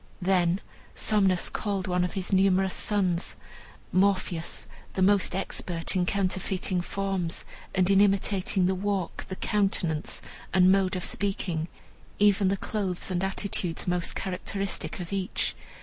Then Somnus called one of his numerous sons, Morpheus, the most expert in counterfeiting forms, and in imitating the walk, the countenance, and mode of speaking, even the clothes and attitudes most characteristic of each.